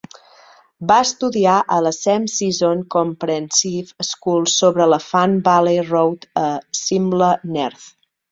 Va estudiar a la Cefn Saeson Comprehensive School, sobre l' Afan Valley Road a Cimla, Neath.